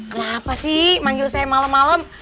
kenapa sih manggil saya malem malem